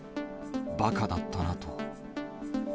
ばかだったなと。